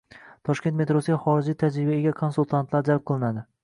Toshkent metrosiga xorijiy tajribaga ega konsultantlar jalb qilinadi